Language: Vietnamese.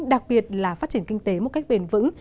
đặc biệt là phát triển kinh tế một cách bền vững